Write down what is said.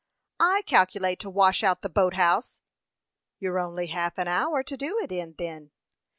"I calculate to wash out the boat house." "You've only half an hour to do it in, then.